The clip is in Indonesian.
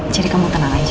jadi kamu tenang aja